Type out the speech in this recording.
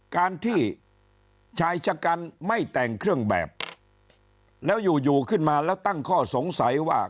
การที่ชายชะกันไม่แต่งเครื่องแบบแล้วอยู่อยู่ขึ้นมาแล้วตั้งข้อสงสัยว่า